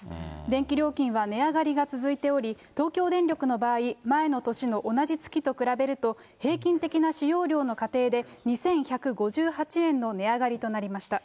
電気料金は値上がりが続いており、東京電力の場合、前の年の同じ月と比べると、平均的な使用量の家庭で、２１５８円の値上がりとなりました。